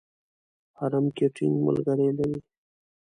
حرم کې ټینګ ملګري لري.